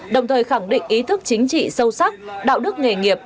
đồng thời khẳng định ý thức chính trị sâu sắc đạo đức nghề nghiệp